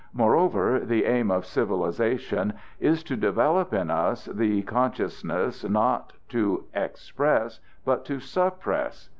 Moreover, the aim of civilization is to develop in us the consciousness not to express, but to suppress.